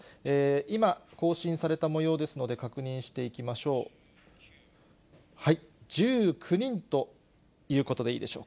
今、更新されたもようですので、確認していきましょう。